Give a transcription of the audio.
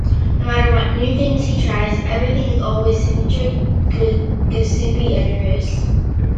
No matter what new things he tries, everything is always signature Giuseppe Andrews.